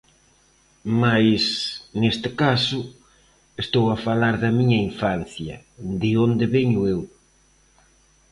Mais, neste caso, estou a falar da miña infancia, de onde veño eu.